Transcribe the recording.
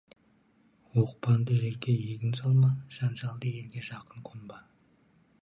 Оқпанды жерге егін салма, жанжалды елге жақын қонба.